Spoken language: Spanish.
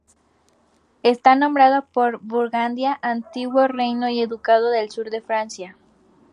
Está nombrado por Burgundia, antiguo reino y ducado del sur de Francia.